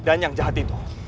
dan yang jahat itu